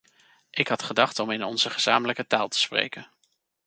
Ik had gedacht om in onze gezamenlijke taal te spreken.